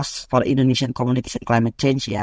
untuk komunitas indonesia dalam krisis klimat ya